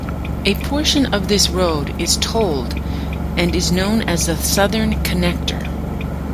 A portion of this road is tolled and is known as the "Southern Connector".